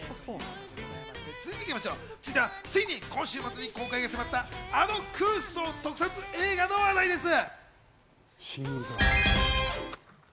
続いては、ついに今週末に公開が迫ったあの空想特撮映画の話題です。